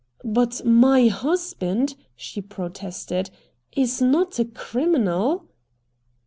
"But MY husband," she protested, "is not a criminal!"